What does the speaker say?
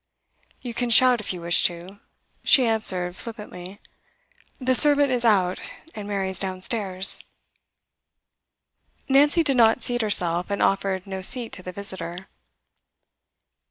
'You can shout if you wish to,' she answered flippantly. 'The servant is Out, and Mary is downstairs.' Nancy did not seat herself, and offered no seat to the visitor.